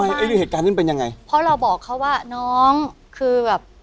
ไอ้เรื่องเหตุการณ์นั้นเป็นยังไงเพราะเราบอกเขาว่าน้องคือแบบ